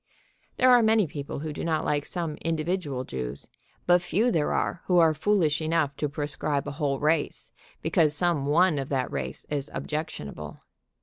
There are many people who do not like some individual Jews, but few there are who are foolish enough to proscribe a whole race, because some one of that race is objectionable.